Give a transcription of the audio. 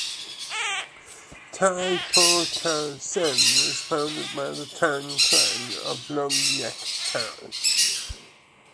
Tai Po Tau Tsuen was founded by the Tang clan of Lung Yeuk Tau.